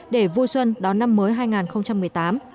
để vui xuân đón năm mới hai nghìn một mươi tám